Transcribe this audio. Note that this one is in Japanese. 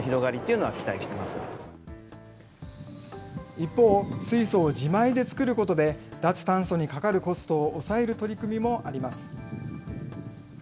一方、水素を自前で作ることで、脱炭素にかかるコストを抑える取り組みもあります。